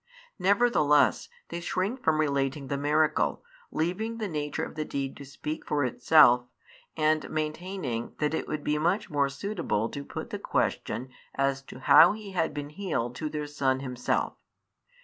Nevertheless they shrink from relating the miracle, leaving the nature of the deed to speak for itself, and maintaining that it would be much more suitable to put the question as to how he had been healed to their son himself.